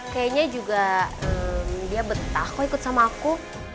kayaknya juga dia betah kok ikut sama aku